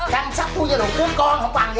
trang sách tôi cho đồ cưới con không bằng gì đó